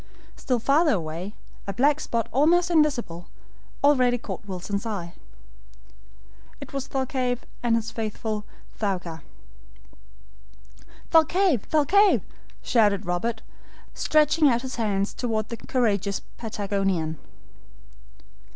Still farther away, a black spot almost invisible, already caught Wilson's eye. It was Thalcave and his faithful Thaouka. "Thalcave, Thalcave!" shouted Robert, stretching out his hands toward the courageous Patagonian.